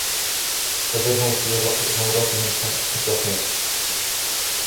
فذرهم في غمرتهم حتى حين